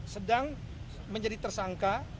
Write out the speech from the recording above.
sedang menjadi tersangka